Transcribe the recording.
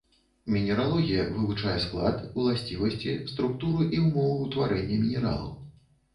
Мінералогія вывучае склад, уласцівасці, структуру і ўмовы ўтварэння мінералаў.